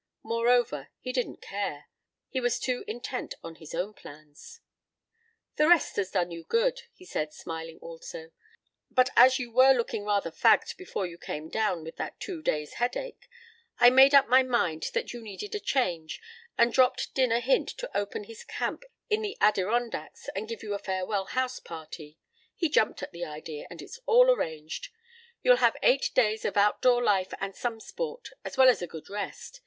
Moreover, he didn't care. He was too intent on his own plans. "The rest has done you good," he said, smiling also. "But as you were looking rather fagged before you came down with that two days' headache, I made up my mind that you needed a change and dropped Din a hint to open his camp in the Adirondacks and give you a farewell house party. He jumped at the idea and it's all arranged. You'll have eight days of outdoor life and some sport, as well as a good rest.